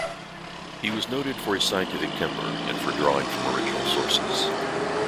He was noted for his scientific temper and for drawing from original sources.